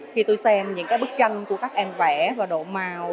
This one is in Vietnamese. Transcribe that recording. khi tôi xem những cái bức tranh của các em vẽ và độ màu